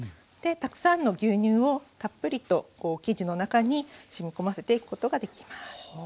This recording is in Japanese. でたくさんの牛乳をたっぷりと生地の中にしみ込ませていくことができます。